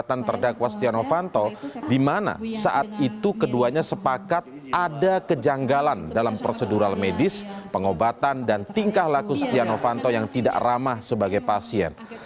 keduanya menceritakan pengobatan terdakwa stianofanto di mana saat itu keduanya sepakat ada kejanggalan dalam prosedural medis pengobatan dan tingkah laku stianofanto yang tidak ramah sebagai pasien